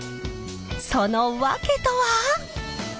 その訳とは。